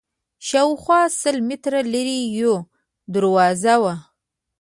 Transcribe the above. شاوخوا سل متره لرې یوه دروازه وه.